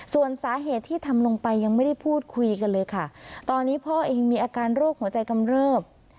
ส่วนสาเหตุที่ทำลงไปยังไม่ได้พูดคุยกันเลยค่ะตอนนี้พ่อเองมีอาการโรคหัวใจกำเริบ